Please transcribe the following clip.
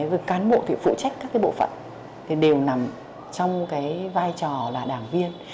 với cán bộ phụ trách các bộ phận đều nằm trong vai trò là đảng viên